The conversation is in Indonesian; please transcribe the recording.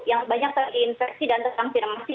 yang banyak terinfeksi dan terkonfirmasi